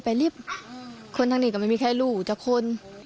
ไม่รีบคนทางนี้ก็ไม่มีใครรู้แต่คน